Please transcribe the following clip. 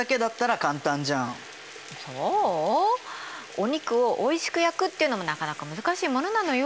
お肉をおいしく焼くっていうのもなかなか難しいものなのよ。